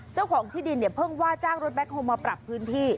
เจ้าของที่ดินเนี่ยเพิ่งว่าจ้างรถแคคโฮลมาปรับพื้นที่